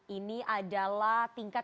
ini adalah tingkat